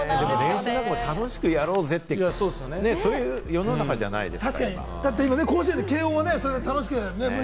練習、楽しくやろうぜっていう世の中じゃないですか。